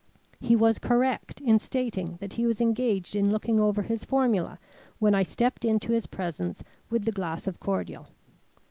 He was correct in stating that he was engaged in looking over his formula when I stepped into his presence with the glass of cordial.